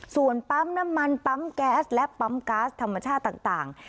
ส่วนปั๊มน้ำมันปั๊มแก๊สและปั๊มก๊าซธรรมชาติต่าง